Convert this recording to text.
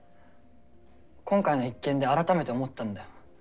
今回の一件で改めて思ったんだよ。